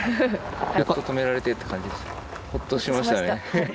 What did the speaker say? やっと止められたって感じです。